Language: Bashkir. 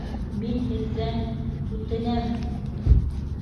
Мин һеҙҙән... үтенәм!